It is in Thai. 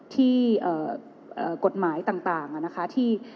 ที่กฎหมายต่างนะคะที่